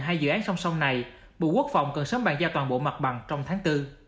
hai dự án song song này bộ quốc phòng cần sớm bàn giao toàn bộ mặt bằng trong tháng bốn